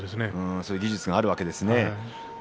そういう技術があるんですね。